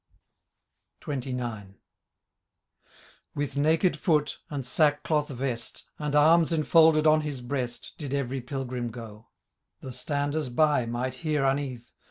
• XXIX. With naked foot, and sackcloth vest. And arms enfolded on his breast. Did every pilgrim go ; The standers by might hear uneath.